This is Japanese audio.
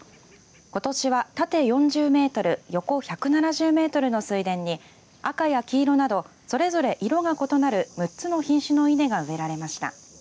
ことしは縦４０メートル横１７０メートルの水田に赤や黄色などそれぞれ色が異なる６つの品種の稲が植えられました。